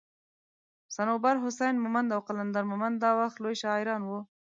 صنوبر حسين مومند او قلندر مومند دا وخت لوي شاعران وو